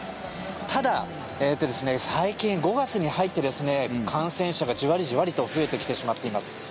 ただ最近、５月に入って感染者がじわりじわりと増えてきてしまっています。